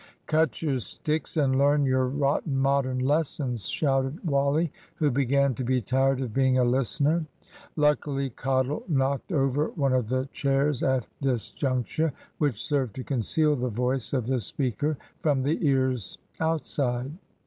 "Cut your sticks, and learn your rotten Modern lessons," shouted Wally, who began to be tired of being a listener. Luckily, Cottle knocked over one of the chairs at this juncture, which served to conceal the voice of the speaker from the ears outside.